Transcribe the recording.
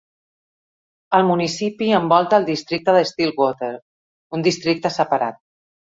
El municipi envolta el districte de Stillwater, un districte separat.